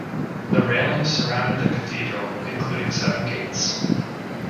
The railings surrounded the cathedral, including seven gates.